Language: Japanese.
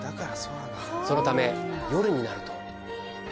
そのため夜になると。